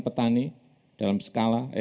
petani dalam skala